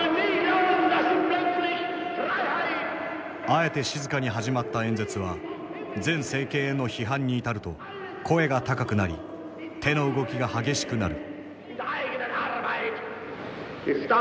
あえて静かに始まった演説は前政権への批判に至ると声が高くなり手の動きが激しくなる。